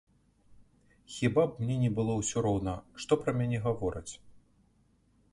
Хіба б мне не было ўсё роўна, што пра мяне гавораць?